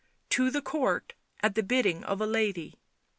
" To the Court — at the bidding of a lady.